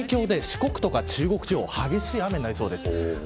この影響で四国とか中国地方は激しい雨になりそうです。